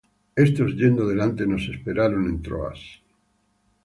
Estos yendo delante, nos esperaron en Troas.